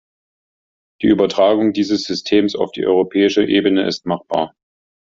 Die Übertragung dieses Systems auf die europäische Ebene ist machbar.